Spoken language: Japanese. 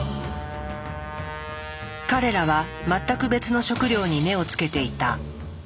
彼らは全く別の食料に目を付けていた。